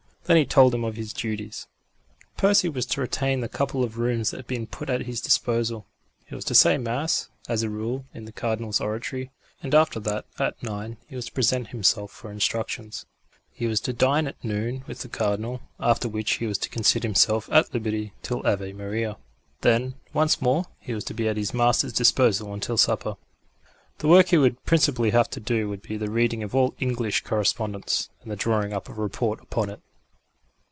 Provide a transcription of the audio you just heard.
Then he told him of his duties. Percy was to retain the couple of rooms that had been put at his disposal; he was to say mass, as a rule, in the Cardinal's oratory; and after that, at nine, he was to present himself for instructions: he was to dine at noon with the Cardinal, after which he was to consider himself at liberty till Ave Maria: then, once more he was to be at his master's disposal until supper. The work he would principally have to do would be the reading of all English correspondence, and the drawing up of a report upon it.